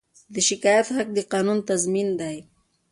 د شکایت حق د قانون تضمین دی.